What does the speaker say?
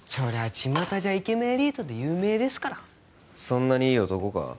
ちまたじゃイケメンエリートで有名ですからそんなにいい男か？